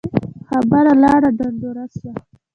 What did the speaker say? خبره لاړه ډنډوره سوه